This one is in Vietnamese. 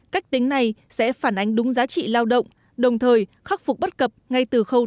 cách tính này sẽ phản ánh đúng giá trị lao động đồng thời khắc phục bất cập ngay từ khâu